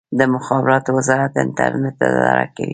د مخابراتو وزارت انټرنیټ اداره کوي